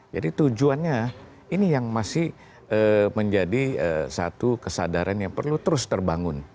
jadi tujuannya ini yang masih menjadi satu kesadaran yang perlu terus terbangun